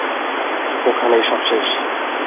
ওখানেই সব শেষ।